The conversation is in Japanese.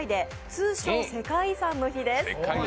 通称、世界遺産の日です。